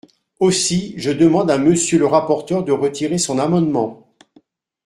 Aussi, je demande à Monsieur le rapporteur de retirer son amendement.